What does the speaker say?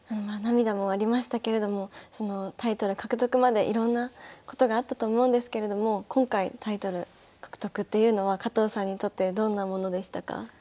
涙もありましたけれどもタイトル獲得までいろんなことがあったと思うんですけれども今回タイトル獲得というのは加藤さんにとってどんなものでしたか？